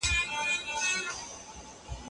دا کار ډېر خطرناک دی.